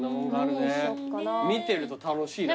見てると楽しいね